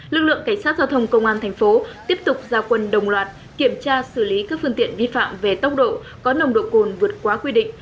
lực lượng cảnh sát giao thông công an thành phố tiếp tục giao quân đồng loạt kiểm tra xử lý các phương tiện vi phạm về tốc độ có nồng độ cồn vượt quá quy định